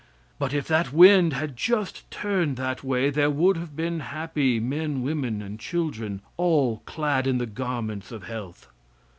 But if that wind had just turned that way there would have been happy men, women and children, all clad in the garments of health.